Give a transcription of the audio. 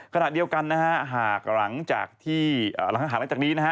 ขณะเดียวกันหากหลังจากนี้